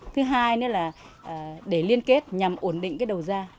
thứ hai nữa là để liên kết nhằm ổn định cái đầu ra